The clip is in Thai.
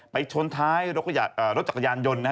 ไปชนท้ายรถจักรยานยนต์นะฮะ